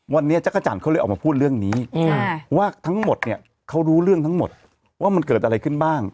วันนี้จักรจันทร์เขาเลยออกมาพูดเรื่องนี้ว่าทั้งหมดเนี่ยเขารู้เรื่องทั้งหมดว่ามันเกิดอะไรขึ้นบ้าง